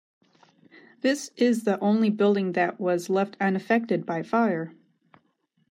This is the only building that was left unaffected by fire.